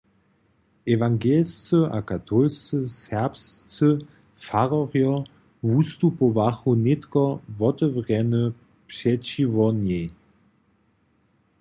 Ewangelscy a katolscy serbscy fararjo wustupowachu nětko wotewrjenje přećiwo njej.